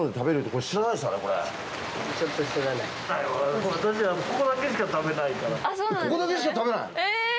ここだけでしか食べない！？